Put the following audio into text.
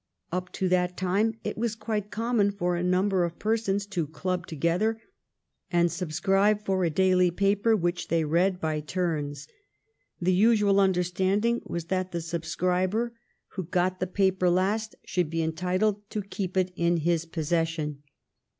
Up to that time it was quite common for a number of persons to club together and subscribe for a daily paper, which they read by turns. The usual understanding was that the subscriber who got 224 THE STORY OF GLADSTONE'S LIFE the paper last should be entitled to keep it in his possession.